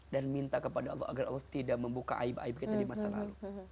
dan minta kepada allah agar allah tidak membuka aib aib kita di masa lalu